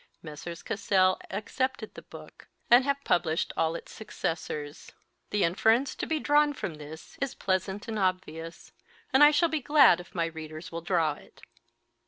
Messrs. Cassell accepted the book, and have (V 281 published all its successors. The inference to be drawn from this is pleasant and obvious, and I shall be glad if my readers will draw it.